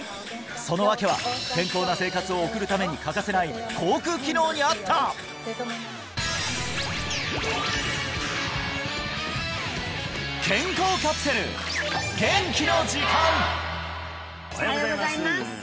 その訳は健康な生活を送るために欠かせない口腔機能にあったおはようございます